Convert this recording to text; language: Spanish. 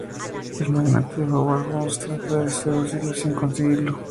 El magnate Howard Hughes trata de seducirla sin conseguirlo.